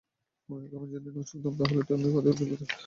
মনে রেখো, আমি যদি তোমায় না ছুটাতাম, তাহলে তুমি ফাঁদেই ঝুলে থাকতে।